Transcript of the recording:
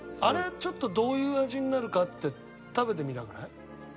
あれちょっとどういう味になるかって食べてみたくない？